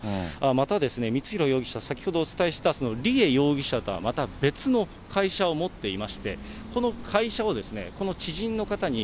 また光弘容疑者、先ほどお伝えした梨恵容疑者とはまた別の会社を持っていまして、この会社をこの知人の方に、